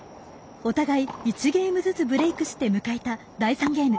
お互い１ゲームずつブレイクして迎えた第３ゲーム。